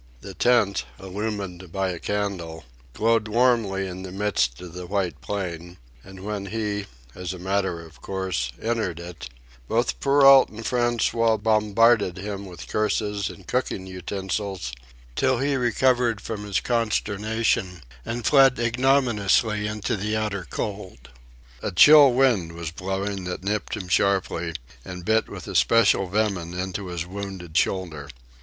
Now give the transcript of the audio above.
The tent, illumined by a candle, glowed warmly in the midst of the white plain; and when he, as a matter of course, entered it, both Perrault and François bombarded him with curses and cooking utensils, till he recovered from his consternation and fled ignominiously into the outer cold. A chill wind was blowing that nipped him sharply and bit with especial venom into his wounded shoulder.